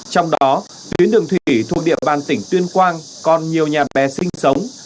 trong đó tuyến đường thủy thuộc địa bàn tỉnh tuyên quang còn nhiều nhà bè sinh sống